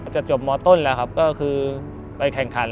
จะจบมอต้นและก็ไปแข่งขัน